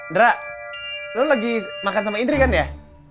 ndra lu lagi makan sama ndri kan ya